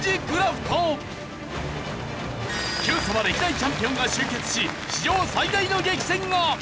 歴代チャンピオンが集結し史上最大の激戦が！